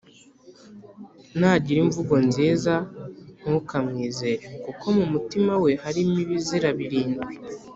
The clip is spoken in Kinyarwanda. nagira imvugo nziza ntukamwizere, kuko mu mutima we harimo ibizira birindwi